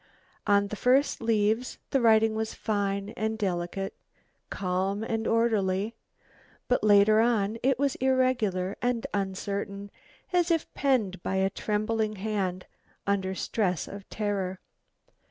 On the first leaves the writing was fine and delicate, calm and orderly, but later on it was irregular and uncertain, as if penned by a trembling hand under stress of terror.